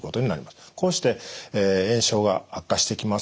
こうして炎症が悪化してきます。